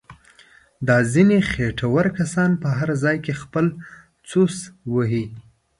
دا ځنیې خېټور کسان په هر ځای کې خپل څوس وهي.